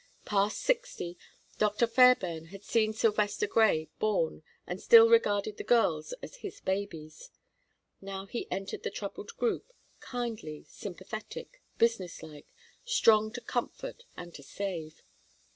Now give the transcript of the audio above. Past sixty, Dr. Fairbairn had seen Sylvester Grey born, and still regarded the girls as his babies. Now he entered the troubled group, kindly, sympathetic, business like, strong to comfort and to save.